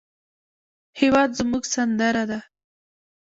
هېواد زموږ سندره ده